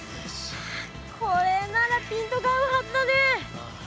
これならピントが合うはずだね。